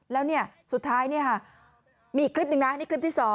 แล้วสุดท้ายมีอีกคลิปหนึ่งนะนี่คลิปที่๒